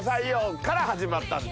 から始まったんです。